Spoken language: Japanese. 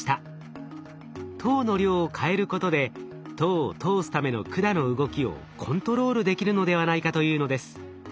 糖の量を変えることで糖を通すための管の動きをコントロールできるのではないかというのです。